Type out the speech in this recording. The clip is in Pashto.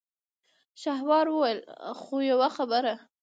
شهسوار وويل: خو يوه خبره!